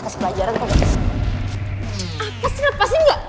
apa sih lepasin gak